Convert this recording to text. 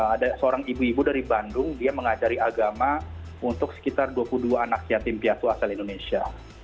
ada seorang ibu ibu dari bandung dia mengajari agama untuk sekitar dua puluh dua anak yatim piatu asal indonesia